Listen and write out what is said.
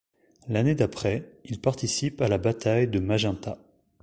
L'année d'après, il participe à la bataille de Magenta.